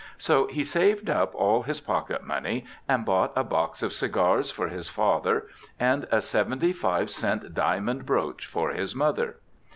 So he saved up all his pocket money and bought a box of cigars for his father and a seventy five cent diamond brooch for his mother.